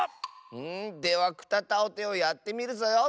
では「くたたをて」をやってみるぞよ。